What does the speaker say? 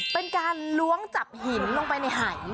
เป็นการล้วงจับหินลงไปในหาย